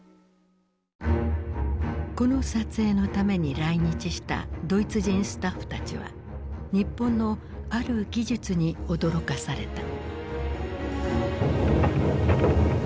この撮影のために来日したドイツ人スタッフたちは日本のある技術に驚かされた。